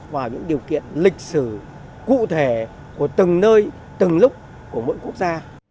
vào những điều kiện lịch sử cụ thể của từng nơi từng lúc của mỗi quốc gia